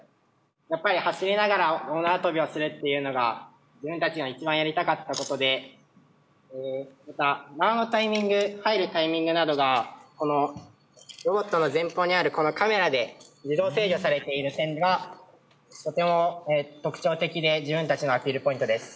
やっぱり走りながら大縄跳びをするっていうのが自分たちの一番やりたかったことでまた縄のタイミング入るタイミングなどがこのロボットの前方にあるこのカメラで自動制御されている点がとても特徴的で自分たちのアピールポイントです。